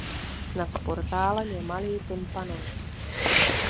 Nad portálem je malý tympanon.